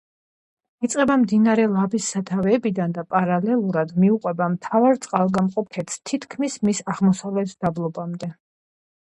იწყება მდინარე ლაბის სათავეებიდან და პარალელურად მიუყვება მთავარ წყალგამყოფ ქედს თითქმის მის აღმოსავლეთ დაბოლოებამდე.